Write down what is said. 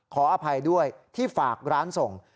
ขออภัยด้วยที่ฝากร้านส่ง